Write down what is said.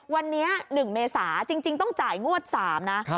วันนี้๑เมษาจริงต้องจ่ายงวด๓นะ